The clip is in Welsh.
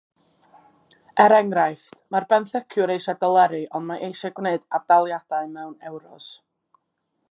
Er enghraifft, mae'r benthyciwr eisiau doleri ond mae eisiau gwneud ad-daliadau mewn ewros.